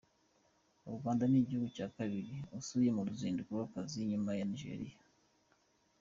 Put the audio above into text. U Rwanda ni igihugu cya kabiri asuye mu ruzinduko rw’akazi nyuma ya Nigeria.